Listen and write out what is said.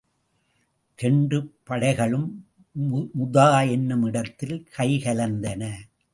இரண்டு படைகளும் முதா என்னும் இடத்தில் கைகலந்தன.